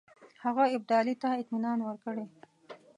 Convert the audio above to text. هغه ابدالي ته اطمینان ورکړی.